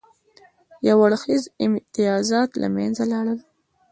یو اړخیز امتیازات له منځه لاړل.